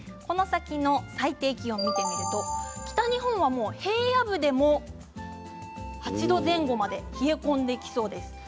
最低気温、見ていくと北日本は平野部でも８度前後まで冷え込んできそうです。